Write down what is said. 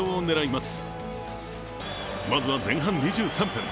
まずは前半２３分。